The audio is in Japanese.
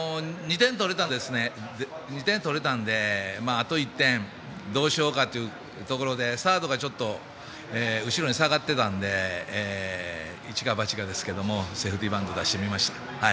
２点取れたのであと１点、どうしようかというところでサードが後ろに下がってたので一か八かですけどもセーフティーバント出してみました。